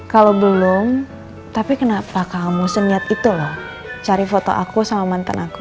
kalau belum tapi kenapa kamu seniat itu loh cari foto aku sama mantan aku